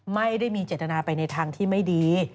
ไม่ได้มีเจตนาไปในทางที่ไม่ดี